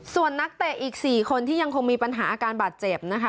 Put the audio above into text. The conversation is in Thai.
ส่วนนักเตะอีก๔คนที่ยังคงมีปัญหาอาการบาดเจ็บนะคะ